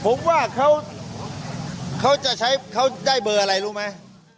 ผมว่าเขาจะใช้เขาได้เบอร์อะไรรู้ไหม